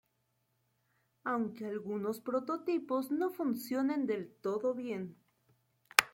Aunque algunos prototipos no funcionen del todo bien.